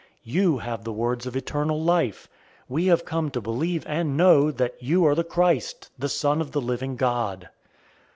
You have the words of eternal life. 006:069 We have come to believe and know that you are the Christ, the Son of the living God."